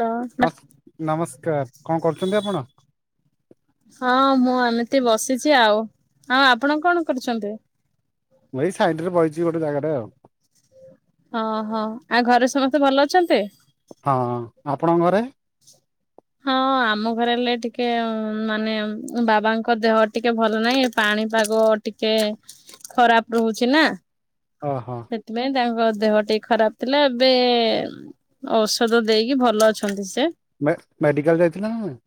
Hello ମଶ ନମସ୍କାର କଣ କରୁଚନ୍ତି ଆପଣ? ହଁ ମୁଁ ଏମିତି ବସିଛି ଆଉ। ଆଉ ଆପଣ କଣ କରୁଛନ୍ତି? ମୁଁ ଏଇ ସାଇଡ ରେ ବଇଚି ଗୋଟେ ଜାଗାରେ ଆଉ। ହଁ ହଁ ଆଉ ଘରେ ସମସ୍ତେ ଭଲ ଅଛନ୍ତି? ହଁ ହଁ ଆପଣଙ୍କ ଘରେ। ହଁ ଆମ ଘରେ ହେଲେ ଟିକେ ମାନେ ବାବାଙ୍କ ଦେହ ଟିକେ ଭଲ ନାହିଁ ପାଣିପାଗ ଟିକେ ଖରାପ ରହୁଛି ନାଁ। ଓ ହଁ। ସେଥିପାଇଁ ତାଙ୍କ ଦେହ ଟିକେ ଖରାପ ଥିଲା। ଏବେ ଔଷଧ ଦେଇକି ଭଲ ଅଛନ୍ତି ସେ। ମେଡ ମେଡିକାଲ ଯାଇଥିଲେ ନାଁ ନାହିଁ।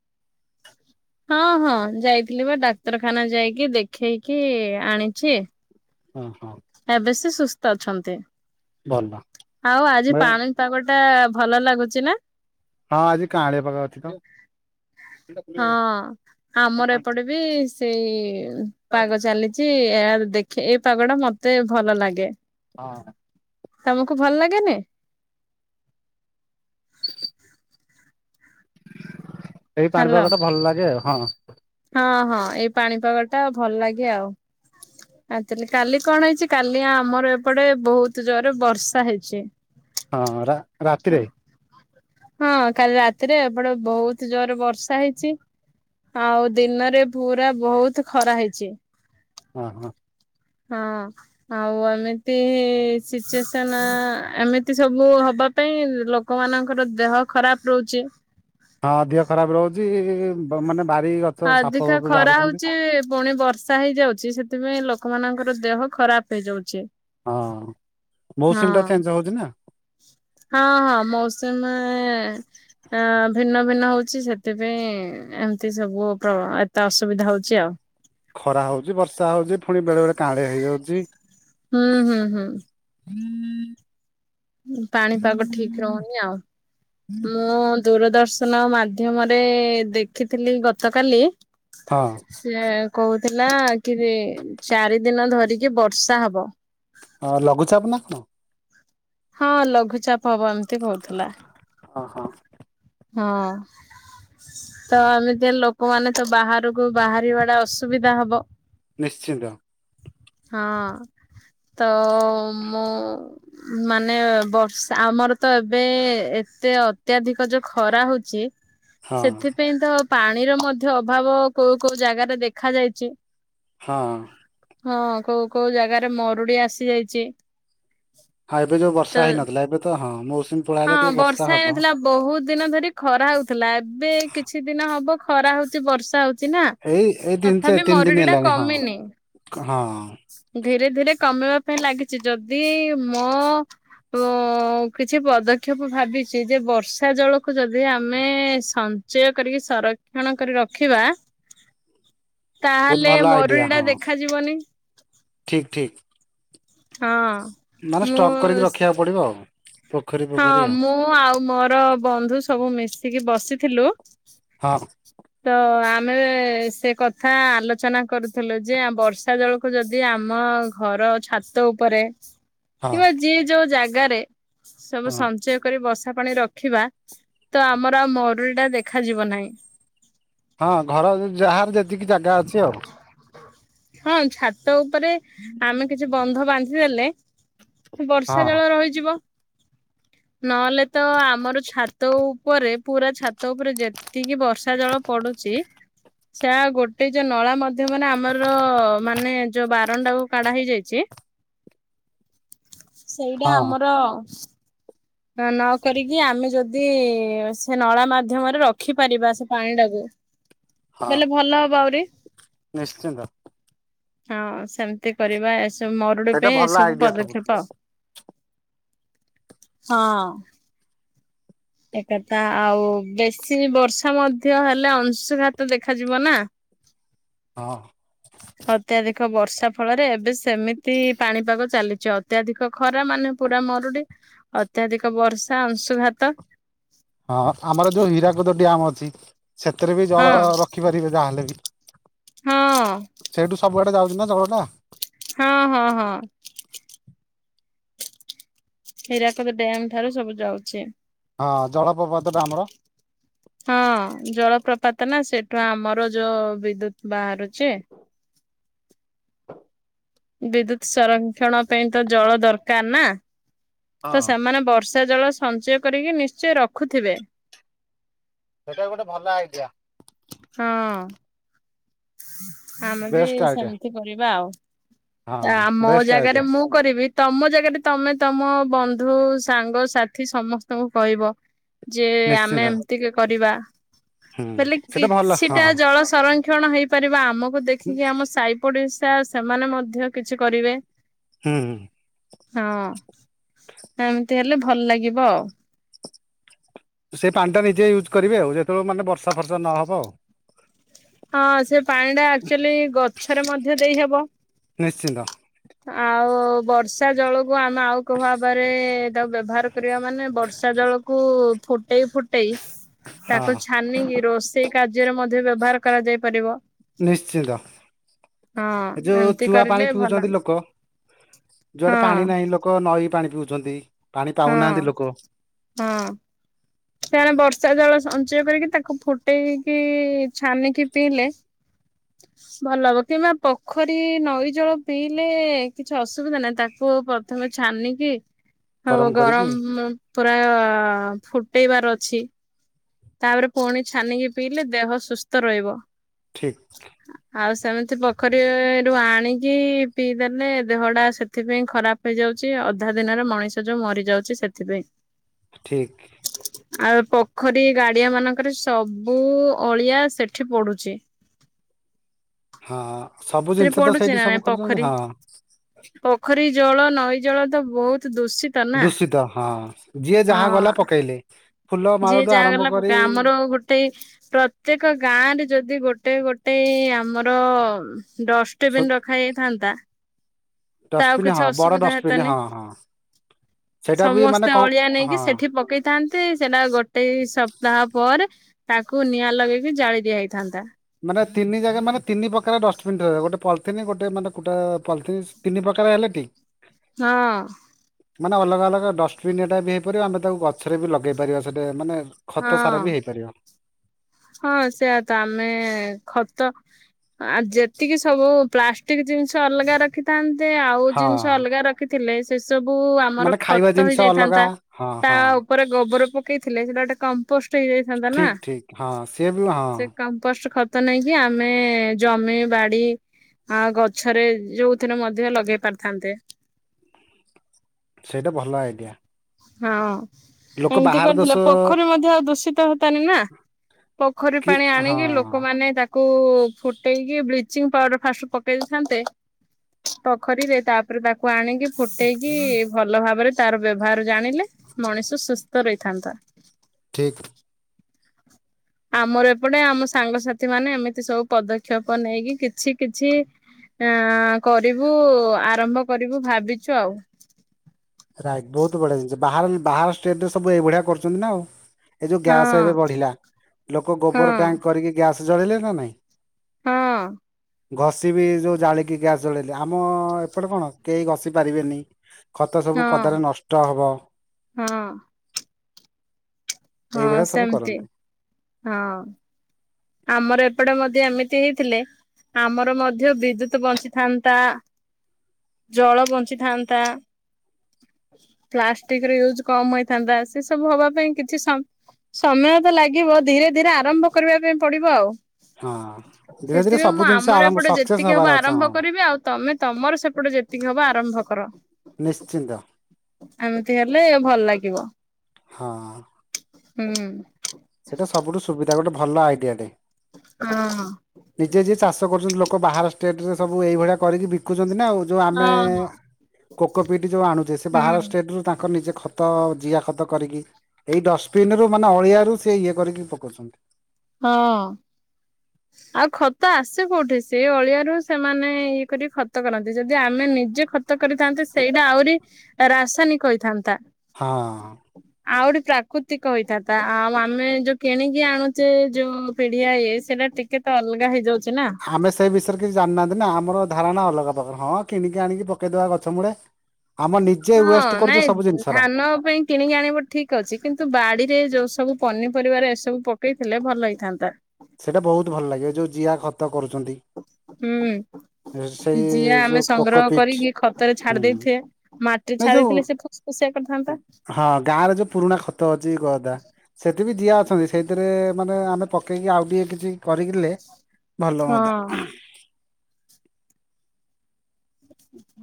ସେ [inaudible] ଅଁ ହଁ। ଯାଇଥିଲି ବା ଡାକ୍ତରଖାନା ଯାଇକି ଦେଖେଇକି ଆଣିଛି। ହଁ ହଁ। ଏବେ ସେ ସୁସ୍ଥ ଅଛନ୍ତି। ଭଲ ଆଉ ଆଜି ମେ ପାଣି ପାଗଟା ଭଲ ଲାଗୁଛି ନାଁ। ହଁ ଆଜି କାହାଳିଆ ପାଗ ଅଛି ତ। ହଁ ଆମର ଏପଟେ ବି ସେଇ ପାଗ ଚାଲି ଏଁ ଆରେ ଦେଖେ ଏଇ ପାଗ ଟା ମୋତେ ଭଲ ଲାଗେ। ହଁ। ତମକୁ ଭଲ ଲାଗେନି? ହ। ଏଇ ହାଲୋ ପାଣିପାଗ ଟା ଭଲ ଲାଗେ ଆଉ ହଁ। ହଁ ହଁ। ଏଇ ପାଣିପାଗ ଟା ଭଲ ଲାଗେ ଆଉ। ଆକଚ୍ୟୁଲି କାଲି କଣ ହେଇଛି? କାଲି ଆମର ଏପଟେ ବହୁତ ଜୋରରେ ବର୍ଷା ହେଇଛି। ହଁଅଁ ରା ରାତିରେ। ହଁ କାଲି ରାତିରେ ଏପଟେ ବହୁତ ଜୋରରେ ବର୍ଷା ହେଇଛି। ଆଉ ଦିନରେ ପୁରା ବହୁତ ଖରା ହେଇଛି। ହଁ ହଁ। ହଁ। ଆଉ ଏମିତି ସେଚ୍ୟୁସନ ଏମିତି ସବୁ ହବା ପାଇଁ ଲୋକମାନଙ୍କ ତାଙ୍କର ଦେହ ଖରାପ ରହୁଛି। ହଁ ଦେହ ଖରାପ ରହୁଛି। ବାର ମାନେ ବାରି ରଖ। ଅଧିକ ଖରା ହଉଛି। ପୁଣି ବର୍ଷା ବର୍ଷା ହେଇଯାଉଛି ସେଥିପାଇଁ ଲୋକମାନଙ୍କର ଦେହ ଖରାପ ହେଇଯାଉଛି। ହଁ ହଁ ମୌସୁମି ଟା ଚେଞ୍ଜ ହଉଛି ନାଁ। ହଁ ହଁ ମୌସୁମି ବା ହେଁ ଆଁ ଭିନ୍ନ ଭିନ୍ନ ହଉଛି ସେଥିପାଇଁ ଏମିତି ସବୁ ତ ଏତେ ଅସୁବିଧା ହଉଛି ଆଉ। ଖରା ହଉଛି ବର୍ଷା ହଉଛି ପୁଣି ବେଳେ ବେଳେ କାଆଁଳିଆ ହେଇଯାଉଛି। ଉଁ ହୁଁ ହୁଁ। ହୁଁ। ପାଣିପାଗ ଠିଁକ ରହୁନି ଆଉ ମୁଁ ଦୂରଦର୍ଶନ ମାଧ୍ୟମରେ ଦେଖିଥିଲି ଗତକାଲି ହଁ। ସେ କହୁଥିଲା କି ଚାରି ଦିନ ଧରିକି ବର୍ଷା ହବ। ହଁ ଲଂଘୁଚାପ ନାଁ କଣ? ହଁ ଲଂଘୁଚାପ ହବ ଏମିତି କହୁଥିଲା। ଅଁ ହଁ। ହଁ। ତ ଏମିତି ଲୋକମାନେ ତ ବାହାରକୁ ବାହାରିବା ଟା ଅସୁବିଧା ହବ। ନିଶ୍ଚିନ୍ତ। ହଁ ତ ମୁଁ ମାନେ ବର୍ଷା ଆମର ତ ଏବେ ଏତେ ଅତ୍ୟାଧିକ ଯ ଖରା ହଉଛି ହଁ। ସେଥିପାଇଁ ତ ପାଣିର ମଧ୍ୟ ଅଭାବ କୋଉ କୋଉ ଜାଗାରେ ଦେଖା ଯାଇଚି। ହଁ। ହଁ କୋଉ କୋଉ ଜାଗାରେ ମରୁଡି ଆସି ଯାଇଚି। ହଁ ଏବେ ଯୋଉ ବର୍ଷା ହେଇନଥିଲା ଏବେ ତ ହଁ ମୌସୁମୀ। ହଁ ପଳେଇଆଇଲା ଟିକେ ବର୍ଷା ହବ। ହେଇନଥିଲା ବହୁତ ଦିନ ଧରି ଖରା ହଉଥିଲା ଏବେ କିଛି ଦିନ ହବ ଖରା ହଉଛି ବର୍ଷା ହଉ ଚିନା ଏଇ ଏଇ ତିନି ଚା ତଥାପି ତିନି ଦିନ ମରୁଡ଼ିଟା ହେଲାଣି ହଁ କମିନି। ହଁ ଧୀରେ ଧୀରେ କମେଇବା ପାଇଁ ଲାଗିଛି ଯଦି ମୋ କିଛି କି ପଦକ୍ଷେପ ଭାବିଛି ଯେ ବର୍ଷା ଜଳକୁ ଯଦି ଆମେ ସଞ୍ଚୟ କରିକି ସର କ୍ଷଣ କରି ରଖିବା ବହୁତ ତାହେଲେ ଭଲ ମରୁଡ଼ି ଟା ଦେଖାଯିବନି। ଠିକ୍ ଠିକ୍। ହଁ। ମାନେ ମୁଁ ଷ୍ଟକ୍ କରିକି ରଖିବାକୁ ପଡିବ ଆଉ। ପୋଖରୀ ହଁ ପୋଖରୀ ଆଉ ମୁଁ ଆଉ ମୋର ବନ୍ଧୁ ସବୁ ମିଶିକି ବସିଥିଲୁ। ହଁ। ତ ଆମେ ସେ କଥା ଆଲୋଚନା କରୁଥିଲୁ ଯେ ଆ ବର୍ଷା ଜଳକୁ କୁ ଯଦି ଆମ ଘର ଛାତ ଉପରେ ହଁ କିମ୍ବା ଯିଏ ଯୋଉ ଜାଗାରେ ସବୁ ହଁ ସଞ୍ଚୟ କରି ବର୍ଷା ପାଣି ରଖି ରଖିବା ତ ଆମର ଆଉ ମରୁଡ଼ି ଟା ଦେଖାଯିବ ନାହିଁ। ହଁ ଘର ଯାହାର ଯେତିକି ଜାଗା ଅଛି ଆଉ। ହଁ ଛାତ ଉପରେ ଆମେ କିଛି ବନ୍ଧ ବାନ୍ଧିଦେଲେ ହଁ ବର୍ଷା ଜଳ ରହିଯିବ। ନହେଲେ ତ ଆମର ଛାତ ଉପରେ ପୁରା ଛାତ ଉପରେ ଯେତ ଏତିକି ବର୍ଷା ଜଳ ପଡୁଛି ସେ ଗୋଟେ ଯୋଉ ନଳା ମଧ୍ୟ ମାନେ ଆମର ମାନେ ଯୋଉ ବାରଣ୍ଡାକୁ କାଢା ହେଇଯାଇଛି। ସେଇଟା ହଁ ଆମର ନ କରିକି ଆମେ ଯଦି ସେ ନଳା ମାଧ୍ୟମରେ ରଖିପାରିବା ସେ ପାଣି ଟାକୁ ହଁ ହେଲେ ଭଲ ହବ ଆହୁରି। ନିଶ୍ଚିନ୍ତ। ହଁ ସେମିତି କରିବା ଏସବୁ ମରୁଡି ସେଇଟା ପାଇଁ ଭଲ ଏସବୁ ଆଇଡିଆ ସବୁଠୁ ପଦକ୍ଷେପ ଆ ହଁ। ଏକଥା ଆଉ ବେଶୀ ବର୍ଷା ମଧ୍ୟ ହେଲେ ଅଂଶୁଘାତ ଦେଖାଯିବ ନା। ହଁ। ଅତ୍ୟଧିକ ବର୍ଷା ଫଳରେ ଏବେ ସେମିତି ପାଣିପାଗ ଚାଲିଛି ଅତ୍ୟଧିକ ଖରା ମାନେ ପୁରା ମରୁଡି ଅତ୍ୟାଧିକ ବର୍ଷା ଅଂଶୁଘାତ। ହଁ ଆମର ଯୋଉ ହୀରାକୁଦ ଡ୍ୟାମ୍ ଅଛି। ସେଥିରେ ବି ହଁ ଜଳ ରଖିପାରିବେ ଯାହାହେଲେ ବି। ହଁ ହଁ ସେଇଠୁ ସବୁଆଡେ ଯାଉଛି ନା ଜଳଟା ହଁ ହଁ ହଁ। ହୀରାକଦ ଡ୍ୟମ୍ ଠାରୁ ସବୁ ଯାଉଚି। ହଁ ଜଳପ୍ରପାତ ଟା ଆମର। ହଁ ଜଳପ୍ରପାତ ନା ସେଠୁ ଆମର ଯୋଉ ବିଦ୍ୟୁତ ବାହାରୁଚି। ବିଦ୍ୟୁତ୍ ସଂରକ୍ଷଣ ପାଇଁ ତ ଜଳ ଦରକାର ନା ହଁ ତ ସେମାନେ ବର୍ଷ ସେ ଜଳ ସଞ୍ଚୟ କରିକି ନିଶ୍ଚୟ ରଖୁଥିବେ। ସେଇଟା ଗୋଟେ ଭଲ ଆଇଡିଆ। ହଁ। ଆମେ ବି ବେଷ୍ଟ ଆଇଡିଆ ସେମିତି କରିବା ଆଉ ହଁ ତା ମୋ ବେଷ୍ଟ ଜାଗାରେ ଆଇଡିଆ ମୁଁ। କରିବି ତମ ଜାଗାରେ ତମେ ତମ ବନ୍ଧୁ ସାଙ୍ଗସଥି ସମସ୍ତଙ୍କୁ କହିବ। ଯେ ଆମେ ନିଶ୍ଚିନ୍ତ ଏମିତିକି କରିବା। ହୁଁ ବଲି ସେଇଟା ଭଲ କିଛିଟା ହଁ। ଜଳ ସଂରକ୍ଷଣ ହେଇପାରିବ ଆମକୁ ଦେଖିକି ଆମ ସାଇ ପଡିଶା ସେମାନେ ମଧ୍ୟ କିଛି କରିବେ। ହୁଁ ହୁଁ। ହଁ ଏମିତି ହେଲେ ଭଲ ଲାଗିବ। ସେ ପାଣି ଟା ନିଜେ ୟୁଜ୍ କରିବେ ଆଉ ଯେତେଳୁ ମାନେ ବର୍ଷା ଫର୍ଷା ନହବ। ହଁ ସେ ପାଣି ଟା ଆକୁଚାଲି ଗଛରେ ମଧ୍ୟ ଦେଇହବ। ନିଶ୍ଚିନ୍ତ। ଆଉ ବର୍ଷ ର୍ଷା ଜଳକୁ ଆମେ ଆଉ କୋଉ ଭାବରେ ତାକୁ ବ୍ୟବହାର କରିବା ମାନେ ବର୍ଷା ଜଳକୁ ଫୁଟ୍ ଏଇ ଫୁଟେଇସି ତାକୁ ହଁ ଛାନିକି ରୋଷେଇ କାର୍ଯ୍ୟରେ ମଧ୍ୟ ବ୍ୟବହାର କରାଯାଇ ପାରିବ। ନିଶ୍ଚିନ୍ତ ହଁ ଏ ଯୋଉ ଏମିତି ଚୁଆ କରିଲେ ପାଣି ଭଲ ପିଉଚନ୍ତି ଲୋକ। ଯୁଆଡେ ହଁ ପାଣି ନାହିଁ ଲୋକ ନଈ ପାଣି ପିଉଚନ୍ତି ପାଣି ହଁ ପାଉନାହାନ୍ତି ଲୋକ। ହଁ। ସେମାନେ ବର୍ଷା ଜଳ ସଞ୍ଚୟ କରିକି ତାକୁ ଫୁଟେଇକି ଛାନିକି ପିଇଲେ। ଭଲ ହବ କିମ୍ବା ପୋଖରୀ ନଈ ଜଳ ପିଇଲେ କିଛି ଅସୁବିଧା ନାହିଁ ତାକୁ ପ ତମେ ଛାନିକି ହବ ଗରମ କରିକି ଗରମ ପୁରା ଫୁଟେଇବାର ଅଛି। ତାପରେ ପୁଣି ଛାନିକି ପିଇଲେ ଦେହ ସୁସ୍ଥ ରହିବ। ଠିକ୍। ଆଉ ସେମିତି ପୋଖରୀରୁ ଆଣିକି ପିଇଦେନେ ଦେହଟା ସେଥିପାଇଁ ଖରାପ। ହେଇଯାଉଛି ଅଧା ଦିନରେ ମଣିଷ ଯୋଉ ମରିଯାଉଛି ସେଥିପାଇଁ। ଠିକ୍। ଆଉ ପୋଖରୀ ଗାଡିଆ ମାନଙ୍କରେ ସବୁ ଅଳିଆ ସେଠି ପଡୁଛି। ହଁ ସବୁ ଜିନିଷ ତ ପଡୁଛି ସେଠି ନା ନାଇଁ ସବୁ ଖୋଲଦଉ ପୋଖରୀ ହଁ। ପୋଖରୀ ଜଳ ନଈ ଜଳ ତ ବହୁତ ଦୂଷି ଦୂଷିତ ହଁ ଯିଏ ଯାହା ଗଲା ପକେଇଲେ। ଫୁଲ ଯିଏ ମାଳଠୁ ଯାହା ଆରମ୍ଭ ଗଲା କରି ପକା ଆମର ଗୋଟେ ପ୍ର ପ୍ରତ୍ୟେକ ଗାଁ ରେ ଯଦି ଗୋଟେ ଗୋଟେ ଆମର ଡସ୍ ଡଷ୍ଟବିନ୍ ରଖା ହୋଇଥାନ୍ତା ତା ଆଉ ଡଷ୍ଟବିନ କିଛି ହଁ ବଡ ଅସୁବିଧା ଡଷ୍ଟବିନ ହେତାନି। ହଁ ହଁ ସେଇଟା ବି ମାନେ ସମସ୍ତେ କଣ ଅଳିଆ ହଁ ନେଇକି ସେଠି ପକେଇ ଥାନ୍ତେ ସେଟା ଗୋଟେଇ ସପ୍ତାହ ପରେ ତାକୁ ନିଆଁ ଲଗେଇକି ଜାଳି ଦିଆ ହେଇଥାନ୍ତା। ମାନେ ତିନି ଜାଗା ମାନେ ତିନି ପ୍ରକାର ଡଷ୍ଟବିନ୍ ଗୋଟେ ପଥଲିନ୍ ଗୋଟେ ମାନେ କୁଟା ପଥଲିନ୍ ତିନି ପ୍ରକାର ହେଲେ ଠିକ୍। ହଁ। ମାନେ ଅଲଗା ଅଲଗା ଡଷ୍ଟବିନ୍ ଏଟା ବି ହେଇପାରିବ ଆମେ ତାକୁ ଗଛରେ ବି ଲଗେଇ ପାରିବା ସେଇଟା ମାନେ ହଁ। ଖତ ସାର ବି ହେଇପାରିବ। ହଁ ସେଇଆ ତ ଆମେ ଖତ। ଆ ଯେତିକି ସବୁ ପ୍ଲାଷ୍ଟିକ୍ ଜିନିଷ ଅଲଗା ରଖିଥାନ୍ତେ ଆଉ ଜିନିଷ ହଁ ଅଲଗା ରଖ ରଖି ଥିଲେ ସେ ସବୁ ଆମର ମାନେ ଖାଇବା ଖତ ଜିନିଷ ଅଲଗା ହେଇଯାଇଥାନ୍ତା ହଁ ତା ହଁ ଉପ ଉପରେ ଗୋବର ପକେଇଥିଲେ ସେଟା ଗୋଟେ କମ୍ପୋଷ୍ଟ ହେଇଯାଇଥାନ୍ତା ନା। ଠିକ୍ ଠିକ୍ ହଁ ସିଏ ବି ହଁ ସେ କମ୍ପୋଷ୍ଟ ଖତ ନେଇକି ଆମେ ଜମି ବାଡି ଆ ଗଛରେ ଯୋଉଥିରେ ମଧ୍ୟ ଲଗେଇ ପାରିଥାନ୍ତେ। ସେଇଟା ଭଲ ଆଇଡ଼ିଆ। ହଁ, ଏମିତି ଦେଶ କରିଦେଲେ ପୋଖରୀ ମଧ୍ୟ ଆଉ ଦୂଷିତ ହୁଅନ୍ତା ନି ନା। ପୋଖରୀ କି ପାଣି ହଁ ଆଣିକି ଲୋକମାନେ ତାକୁ କୁ ଫୁଟେଇକି ବ୍ଲିଚିଂ ପାଉଡର ଫାଷ୍ଟ ପକେଇ ଦେଇଥାନ୍ତେ। ପୋଖରୀରେ ତାପରେ ତାକୁ ଆଣିକି ଫୁଟେଇକି ଭଲ ଭାବରେ ତାର ବ୍ୟବହାର ଜାଣିଲେ। ମଣିଷ ସୁସ୍ଥ ରହିଥାନ୍ତା। ଠିକ୍। ଆମର ଏପଟେ ଆମ ସାଙ୍ଗସାଥି ମାନେ ଏମିତି ସବୁ ପଦକ୍ଷେପ ନେଇକି କିଛି କିଛି ଆ କରିବୁ ଆରମ୍ଭ କରିବୁ ଭାବିଛୁ ଆଉ। ରାଇଟ ବହୁତ ବଢିଆ ଜିନିଷ ବାହ ବାହାର ଷ୍ଟେଟ ରେ ସବୁ ଏଇଭଳିଆ କରଛନ୍ତି ନା ଆଉ। ଏ ଯୋଉ ହଁ ଗ୍ୟାସ ଏବେ ବଢିଲା ଲୋକ ହଁ ଗୋବର ଟ୍ୟାଙ୍କ କରିକି ଗ୍ୟାସ ଜଳିଲେ ନା ନାଇଁ। ହଁ। ଘଷି ବିି ଯୋଉ ଜାଳିକି ଗ୍ୟାସ୍ ଜଳେଇଲେ ଆମ ଏପଟେ କଣ କେହି ଘଷି ପାରିବେନି। ଖତ ସବୁ ହଁ ପଦାରେ ନଷ୍ଟ ହବ। ହଁ ହଁ, ଏଇଭଳିଆ ସବୁ ସେମିତି କରନ୍ତି ହଁ। ଆମର ଏପଟେ ମଧ୍ୟ ଏମିତି ହେଇଥିଲେ ଆମର ମଧ୍ୟ ବିଦୁତ୍ ବଞ୍ଚିଥାନ୍ତା ଜଳ ବଞ୍ଚିଥାନ୍ତା। ପ୍ଲାଷ୍ଟିକ ରେ ୟୁଜ କମ ହେଇଥାନ୍ତା ସେ ସବୁ ହବା ପାଇଁ କିଛି ସମ୍ ସମୟ ତ ଲାଗିବ ଧୀରେ ଧୀରେ ଆରମ୍ଭ କରିବା ପାଇଁ ପଡିବ ଆଉ। ହଁ। ଧୀରେ ଧୀରେ ସେଥିପାଇଁ ସବୁ ମୁଁ ଜିନିଷ ଆମର ଆରମ୍ଭ ଏପଟେ ସକ୍ସେସ୍ ଯେତିକି ହବାର ହବ ଅଛି ହଁ ଆରମ୍ଭ କରିବି ଆଉ ତମେ ତମର ସେପଟେ ଯେତିକି ହବ ଆରମ୍ଭ କର। ନିଶ୍ଚିନ୍ତ। ଏମିତି ହେଲେ ଭଲ ଲାଗିବ। ହଁ। ହୁଁ, ହୁଁ। ସେଇଟା ସବୁଠୁ ସୁବିଧା ଗୋଟେ ଭଲ ଆଇଡିଆ ଟେ। ହଁ, ଅ। ନିଜେ ଯିଏ ଚାଷ କରୁଛନ୍ତି ଲୋକ ବାହାର ଷ୍ଟେଟ ରେ ସବୁ ଏଇଭଳିଆ କରିକି ବିକୁଛନ୍ତି ନା ଆଉ। ଯୋଉ ହଁ ଆମେ ହଁ କୋକୋପିଟ ଯୋଉ ଆଣୁଛେ ସେ ବାହାର ହୁଁ ଷ୍ଟେଟ ରୁ ତାଙ୍କ ନିଜେ ଖ ତ ଜିଆଖତ କରିକି ଏଇ ଡଷ୍ଟବିନ୍ ରୁ ମାନେ ଅଳିଆ ରୁ ସେଇଏ କରିକି ପକଉଛନ୍ତି। ହଁ। ଆଉ ଖତ ଆସେ କୋଉଠି ସେ ଅଳିଆରୁ ସେମାନେ ଇଏ କରି ଖତ କରନ୍ତି ଯଦି ଆମେ ନିଜେ ଖ ଖତ କରିଥାନ୍ତେ ସେଇଟା ଆହୁରି ରାସାୟନିକ ହୋଇଥାନ୍ତା। ହଁ। ଆଉ ଗୋଟେ ପ୍ରାକୃତିକ ହେଇଥାନ୍ତା ଆଉ ଆମେ ଯୋଉ କିଣିକି ଆଣୁ ସେ ଯୋଉ ପିଢଆ ଇଏ ସେଇଟା ଟିକେ ତ ଅଲଗା ହେଇଯାଉଛି ନା। ଆମେ ସେଇ ବିଷୟରେ କିଛି ଜାଣି ନାହାନ୍ତି ନା ଆମର ଧାରଣା ଅଲଗା ପ୍ରକାର ହଁ କିଣିକି ଆଣିକି ପକେଇଦବା ଗଛ ମୂଳେ। ଆମ ନିଜେ ହଁ ୱେଷ୍ଟ ନାଇଁ କରୁଛୁ ସବୁ ଜିନିଷ ଗୁରା। ଧାନ ପାଇଁ କିଣିକି ଆଣିବ ଠିକ୍ ଅଛି କିନ୍ତୁ ବାଡିରେ ଯୋଉ ସବୁ ପନିପରିବାରେ ଏସବୁ ପକେଇଥିଲେ ଭଲ ହେଇଥାନ୍ତା ସେଇଟା ବହୁତ ଭଲ ଲାଗେ ଯୋଉ ଜିଆଁ ଖତ କରୁଚନ୍ତି। ହୁଁ। ଯିଆଁ ଯୋଉ ଆମେ ସଂଗ୍ରହ କୋକୋପିଟ୍ କରିକି ଖତରେ ହୁଁ ଛାଡି ଦେଇଥେ। ମାଟି ଏ ଯୋଉ ଛାଡିଥିଲେ ସେ ଫୁସ୍ ଫୁସିଆ କରିଥାନ୍ତା। ହଁ ଗାଁରେ ଯୋଉ ପୁରୁଣା ଖତ ଅଛି କଦା ସେଠି ବି ଯିଆଁ ଅଛନ୍ତି ସେଇଥିରେ ମାନେ ଆମେ ପକେଇକି ଆଉ ଟିଏ କିଛି କରିକିଲେ ଭଲ ହଁ। ହୁଅନ୍ତା।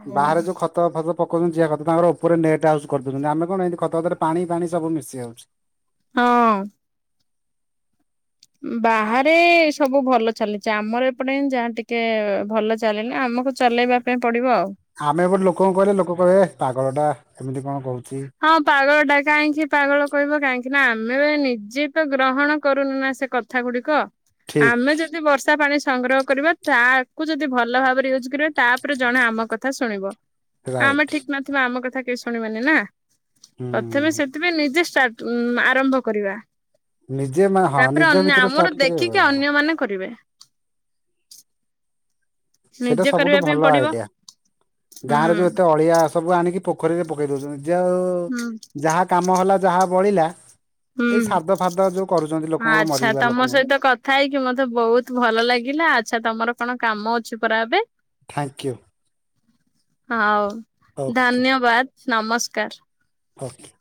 ହୁଁ। ବାହାରେ ଯୋଉ ଖତ୍ ତ ଭଲ ପକଉଚନ୍ତି ଯିଆ ଖତ ତାଙ୍କର ଉପରେ ନେଟ୍ ହାଉସ୍ କରିଦଉଚନ୍ତି ଆମେ କଣ ଏତି ଖତ ଗଦାରେ ପାଣି ଫାଣି ସବୁ ମିଶି ଯାଉଚି। ହଁ। ବାହାରେ ସବୁ ଭଲ ଚାଲିଚି ଆମର ଏପଟେ ଯାହା ଟିକେ ଭଲ ଚାଲିଲେ ଆମକୁ ଚଲେଇବା ପାଇଁ ପଡିବ ଆଉ। ଆମେ ଏପଟେ ଲୋକଙ୍କୁ କହିଲେ ଲୋକ କହିବେ ପାଗଳ ଟା ଏମିତି କଣ କହୁଚି। ହଁ ପାଗଳ ଟା କାହିଁକି ପାଗଳ କହିବେ କାହିଁକି ନା ଆମେ ବା ନିଜେ ତ ଗ୍ରହଣ କରୁନୁ ନା ସେ କଥ୍ କଥା ଗୁଡିକ। ଆମେ ଠିକ ଯଦ୍ ଯଦି ବର୍ଷା ପାଣି ସଂଗ୍ରହ କରିବା ତାକୁ ଯଦି ଭଲ ଭାବରେ ଇଉଜ୍ କରିବେ ତାପରେ ଜଣେ ଆମ କଥା ଶୁଣିବ। କାଇଁ ଆମେ ରାଇଟ ଠିକ୍ ନଥିବା ଆମ କଥା କେହି ଶୁଣିବେନି ନା। ପ୍ରଥମେ ହୁଁ ସେଥିପାଇଁ ନିଜେ ଷ୍ଟାଟ୍ ଆରମ୍ଭ କରିବା। ନିଜେ ମା ହଁ ତାପରେ ନିଜ ଅନ୍ୟ ଭିତରୁ ଷ୍ଟାର୍ଟ ଆମର କରିବା ଦେଖିକି ଅନ୍ୟ ମାନେ କରିବେ। ସେଇଟା ନିଜେ ସବୁଠୁ କରିବା ପାଇଁ ଭଲ ପଡିବ ଆଇଡିଆ ଗାଁ ହୁଁ ରେ ଯୋଉ ଏତେ ଅଳିଆ ସବୁ ଆଣିକି ପୋଖରୀରେ ପକେଇ ଦଉସନ୍ତି ଯୋଉ ହୁଁ ଯାହା କାମ ହେଲା ଯାହା ବଳିଲା। ହୁଁ ଏଇ ସାଦ ଫାଦ ଯୋଉ କରୁଚନ୍ତି ଲୋକଙ୍କର ଆଚ୍ଛା ମରିବା ତମ ଲୋକଙ୍କର। ସହିତ କଥା ହେଇକି ମତେ ବହୁତ ଭଲ ଲାଗିଲା। ଆଚ୍ଛା ତମର କଣ କାମ ଅଛି ପରା ଏବେ? Thank you. ହଉ ଓକେ ଧନ୍ୟବାଦ୍ ନମସ୍କାର୍। ହୋକେ।